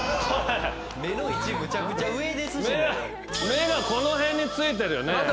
目がこの辺についてるよね。